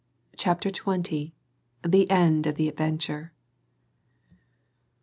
CHAPTER TWENTY. THE END OF THE ADVENTURE.